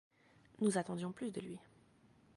Nous attendions plus de lui.